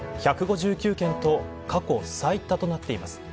１５９件と過去最多となっています。